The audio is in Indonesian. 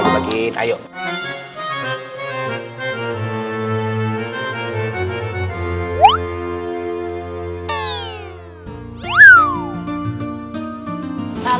arakan makanan ke z kullan